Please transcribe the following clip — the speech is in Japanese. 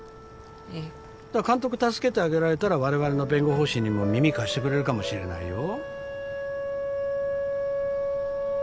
ええだから監督助けてあげられたら我々の弁護方針にも耳貸してくれるかもしれないよ